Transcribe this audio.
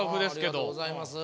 ありがとうございます。